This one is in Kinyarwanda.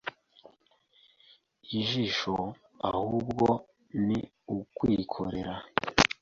ijisho ahubwo ni ukwikorera